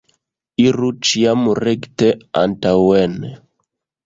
Iru ĉiam rekte antaŭen.